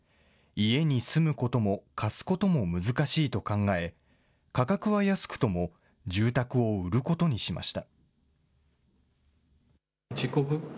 家に住むことも貸すことも難しいと考え、価格は安くとも、住宅を売ることにしました。